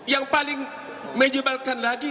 yang paling menyebalkan lagi